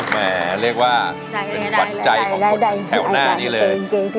แหมเรียกว่าเป็นปัจจัยของคนแถวหน้านี้เลย